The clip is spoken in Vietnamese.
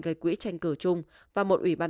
gây quỹ tranh cử chung và một ủy ban